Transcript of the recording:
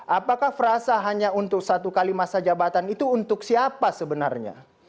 apakah frasa hanya untuk satu kali masa jabatan itu untuk siapa sebenarnya